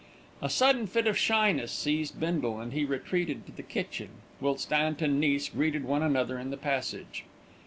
A sudden fit of shyness seized Bindle, and he retreated to the kitchen; whilst aunt and niece greeted one another in the passage.